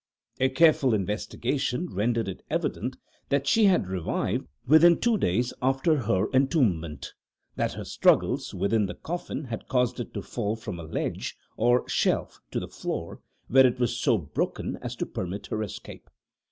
A careful investigation rendered it evident that she had revived within two days after her entombment; that her struggles within the coffin had caused it to fall from a ledge, or shelf to the floor, where it was so broken as to permit her escape.